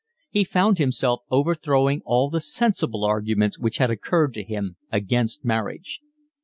He found himself overthrowing all the sensible arguments which had occurred to him against marriage.